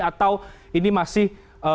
atau ini masih